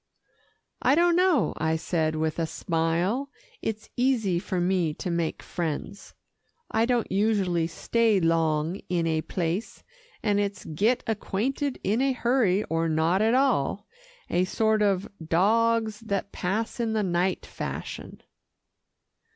"I don't know," I said with a smile. "It's easy for me to make friends. I don't usually stay long in a place, and it's get acquainted in a hurry, or not at all a sort of 'dogs that pass in the night' fashion."